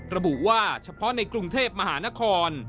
ระบุว่าเฉพาะในกรุงเทพมหานคร